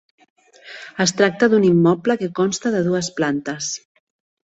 Es tracta d'un immoble que consta de dues plantes.